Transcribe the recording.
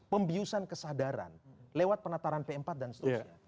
pembiusan kesadaran lewat penataran p empat dan seterusnya